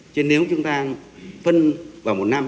chứ nếu chúng ta phân vào một năm